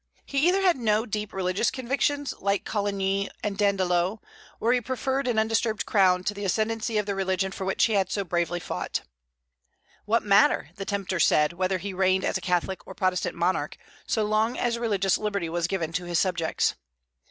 He either had no deep religious convictions, like Coligny and Dandelot, or he preferred an undisturbed crown to the ascendency of the religion for which he had so bravely fought. What matter, the tempter said, whether he reigned as a Catholic or Protestant monarch, so long as religious liberty was given to his subjects?